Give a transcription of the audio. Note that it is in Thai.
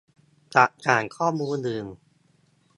กับฐานข้อมูลอื่น